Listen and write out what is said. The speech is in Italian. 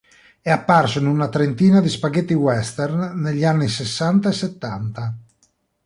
È apparso in una trentina di spaghetti western negli anni sessanta e settanta.